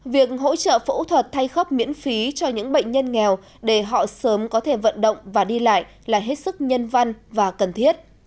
việc hỗ trợ phẫu thuật thay khớp miễn phí cho những bệnh nhân nghèo để họ sớm có thể vận động và đi lại là hết sức nhân văn và cần thiết